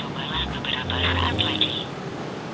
cobalah beberapa arahan lagi